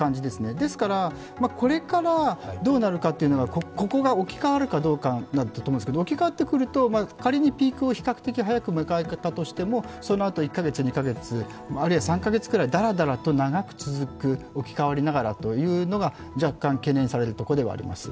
ですから、これからどうなるかというのはここが置き換わるかどうかなんですけど置き換わってくると仮にピークを比較的早く迎えたとしても、そのあと１か月、２か月、あるいは３か月くらい、だらだらと長く続く置き換わりながらというのが若干、懸念されるところではあります。